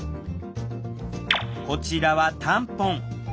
こちらはタンポン。